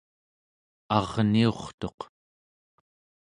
arniurtuq